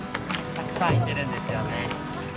たくさんいてるんですよね。